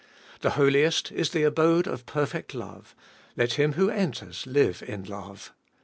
The Holiest is the abode of perfect love : let him who enters live in love.